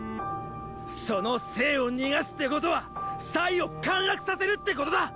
その政を逃がすってことはを陥落させるってことだ！